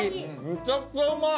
むちゃくちゃうまい！